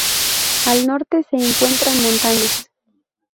Al norte se encuentran montañas.